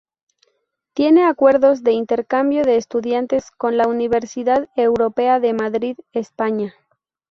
Tiene acuerdos de intercambio de estudiantes con la Universidad Europea de Madrid, España.